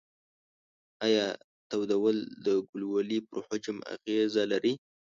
ایا تودول د ګلولې پر حجم اغیزه لري؟